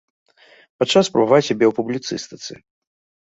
Пачаў спрабаваць сябе ў публіцыстыцы.